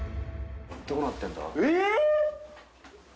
どうなってんだ？